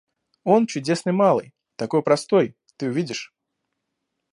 Он чудесный малый, такой простой - ты увидишь.